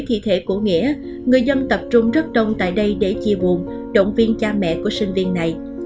thi thể của nghĩa người dân tập trung rất đông tại đây để chia buồn động viên cha mẹ của sinh viên này